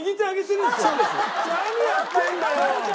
何やってんだよ！